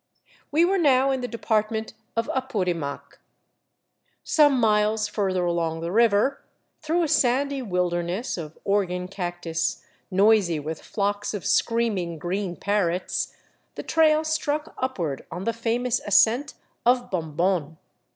We! were now in the department of Apurimac. Some miles further along the river, through a sandy wilderness of organ cactus noisy with flocks of screaming green parrots, the trail struck upward on the' famous ascent of Bombon.